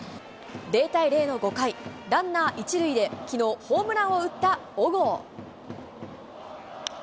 ０対０の５回、ランナー１塁できのう、ホームランを打った小郷。